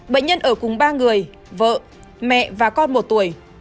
bệnh nhân ở cùng ba người vợ mẹ và con một tuổi